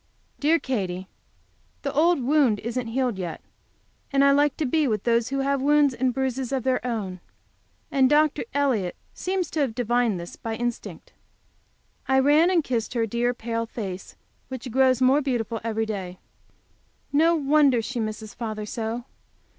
"Dear Katy, the old wound isn't healed yet, and I like to be with those who have wounds and bruises of their own. And Dr. Elliott seems to have divined this by instinct." I ran and kissed her dear, pale face, which grows more beautiful every day. No wonder she misses father so!